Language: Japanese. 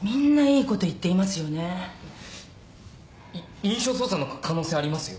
い印象操作の可能性ありますよ。